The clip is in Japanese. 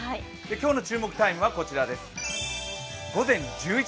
今日の注目タイムはこちらです、午前１１時。